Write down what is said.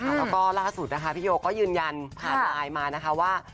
แล้วก็ล่าสุดนะคะพี่โยก็ยืนยันผ่านไลน์มานะคะว่า